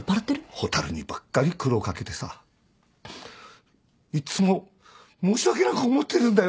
蛍にばっかり苦労掛けてさいつも申し訳なく思ってるんだよ。